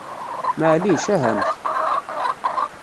Maɛlic, ahamt!